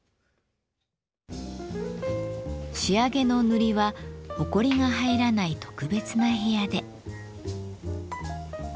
仕上げの塗りはほこりが入らない特別な部屋で。